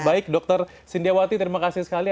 baik dokter sindiawati terima kasih sekali